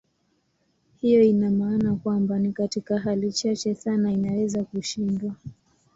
Hiyo ina maana kwamba ni katika hali chache sana inaweza kushindwa.